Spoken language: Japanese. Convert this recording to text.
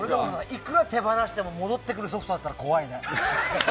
いくら手放しても戻ってくるソフトだったら怖いね。